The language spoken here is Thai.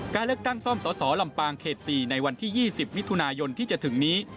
การเลือกตั้งซ่อมสสลำปางเขต๔ในวันที่๒๐มิถุนายนที่จะถึงนี้